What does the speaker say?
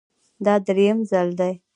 دا درېیم ځل دی